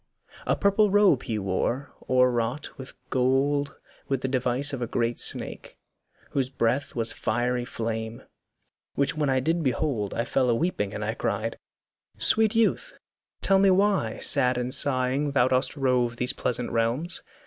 A purple robe he wore, o'erwrought in gold With the device of a great snake, whose breath Was fiery flame: which when I did behold I fell a weeping, and I cried, 'Sweet youth, Tell me why, sad and sighing, thou dost rove These pleasent realms?